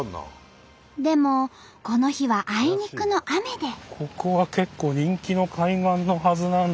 でもこの日はあいにくの雨で。